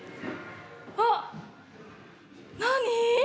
あっ、何？